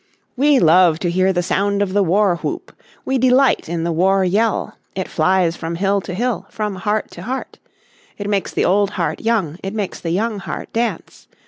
We love to hear the sound of the war whoop. We delight in the war yell. It flies from hill to hill, from heart to heart. It makes the old heart young, it makes the young heart dance.